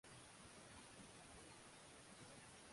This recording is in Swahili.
Pekee na siku mia moja na ishirini